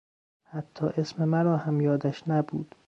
حتی اسم مرا هم یادش نبود!